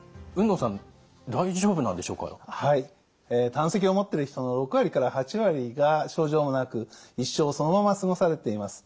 はい胆石を持っている人の６割から８割が症状もなく一生そのまま過ごされています。